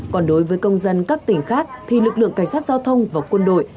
còn đối với công dân các tỉnh khác thì lực lượng cảnh sát giao thông và quân đội